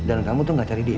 dan kamu tuh gak cari dia